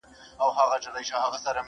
بې تقصیره ماتوې پاکي هینداري له غباره.